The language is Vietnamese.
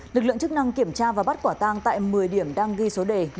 lực lượng chức năng kiểm tra và bắt quả tang tại một mươi điểm đang ghi số đề